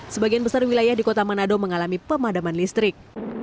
sebagian besar wilayah di kota manado mengalami pemadaman listrik